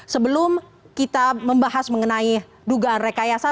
sebelum kita membahas mengenai dugaan rekayasa